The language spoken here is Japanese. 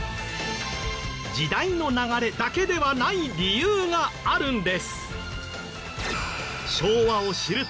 時代の流れだけではない理由があるんです。